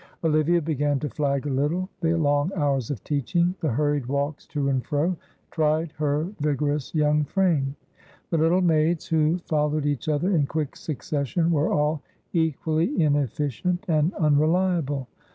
Olivia began to flag a little, the long hours of teaching, the hurried walks to and fro, tried her vigorous young frame. The little maids who followed each other in quick succession were all equally inefficient and unreliable.